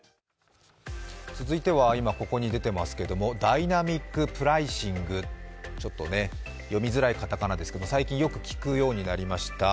続いては今、ここに出ていますけれどもダイナミックプライシング、ちょっと読みづらい片仮名ですが最近よく聞くようになりました。